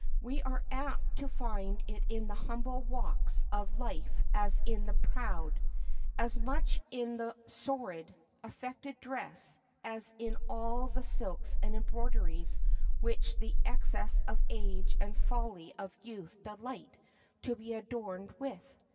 We are as apt to find it in the humble walks of life as in the proud; as much in the sordid, affected dress as in all the silks and embroideries which the excess of age and folly of youth delight to be adorned with.